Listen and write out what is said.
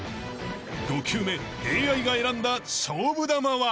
［５球目ＡＩが選んだ勝負球は？］